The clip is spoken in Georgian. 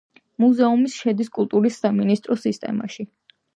მუზეუმი შედის კულტურის სამინისტროს სისტემაში.